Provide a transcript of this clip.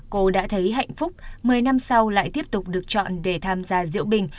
cô đã thấy hạnh phúc một mươi năm sau lại tiếp tục được chọn để tham gia diễu bình